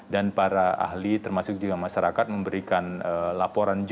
dan para ahli termasuk juga masyarakat memberikan masukan yang tidak masuk dalam ruang lingkup aturan itu